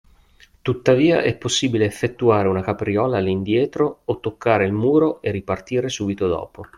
Tuttavia è possibile effettuare una capriola all’indietro o toccare il muro e ripartire subito dopo.